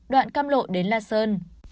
đoạn cam lộ đến la sơn